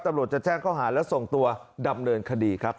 ตำรวจจะแจ้งข้อหาและส่งตัวดำเนินคดีครับ